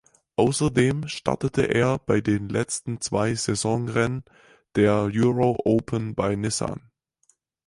Außerdem startete er bei den letzten zwei Saisonrennen der Euro Open by Nissan.